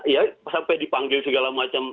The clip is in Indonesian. ya sampai dipanggil segala macam